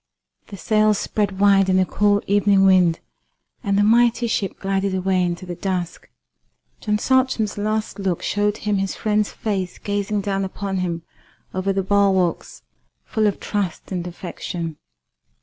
The sails spread wide in the cool evening wind, and the mighty ship glided away into the dusk. John Saltram's last look showed him his friend's face gazing down upon him over the bulwarks full of trust and affection.